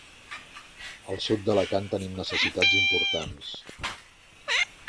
Al sud d’Alacant tenim necessitats importants.